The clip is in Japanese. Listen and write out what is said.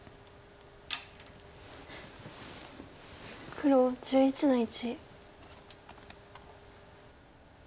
黒１１の一。